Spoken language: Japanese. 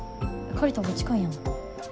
借りたほうが近いやん。